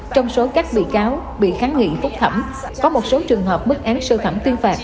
trong số các bị cáo bị kháng nghị phúc thẩm có một số trường hợp bức án sơ thẩm tuyên phạt